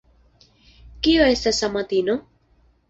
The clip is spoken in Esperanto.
Kio estas amatino?